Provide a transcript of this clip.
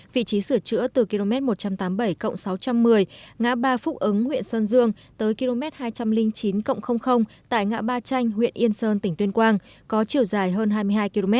vị trí sửa chữa từ km một trăm tám mươi bảy sáu trăm một mươi ngã ba phúc ứng huyện sơn dương tới km hai trăm linh chín tại ngã ba chanh huyện yên sơn tỉnh tuyên quang có chiều dài hơn hai mươi hai km